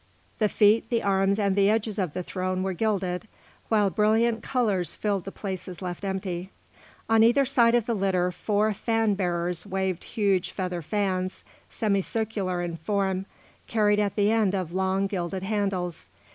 The feet, the arms, and the edges of the throne were gilded, while brilliant colours filled the places left empty. On either side of the litter four fan bearers waved huge feather fans, semicircular in form, carried at the end of long, gilded handles.